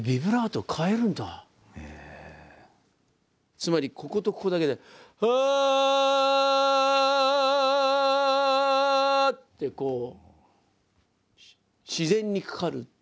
つまりこことここだけで「ア」ってこう自然にかかる。